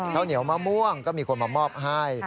ข้าวเหนียวมะม่วงก็มีคนมามอบให้